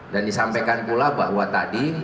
disampaikan pula bahwa tadi